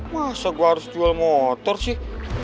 masa gue harus jual motor sih